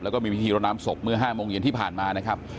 แล้วก็มีพิธีรดน้ำศพเมื่อ๕โมงเย็นที่ผ่านมานะครับ